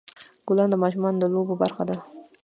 ګلان د ماشومانو د لوبو برخه وي.